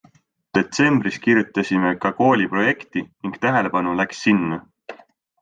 Detsembris kirjutasime ka kooli projekti ning tähelepanu läks sinna.